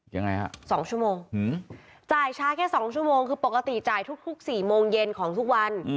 ยังไงฮะ๒ชั่วโมงจ่ายช้าแค่๒ชั่วโมงคือปกติจ่ายทุก๔โมงเย็นของทุกวัน